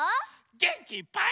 げんきいっぱい。